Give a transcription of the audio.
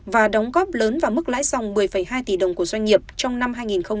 và đóng góp lớn vào mức lãi dòng một mươi hai tỷ đồng của doanh nghiệp trong năm hai nghìn hai mươi